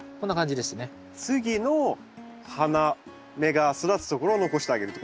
次の花芽が育つところを残してあげるってことですね。